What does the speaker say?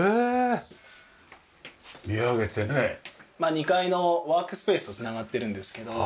２階のワークスペースと繋がってるんですけど。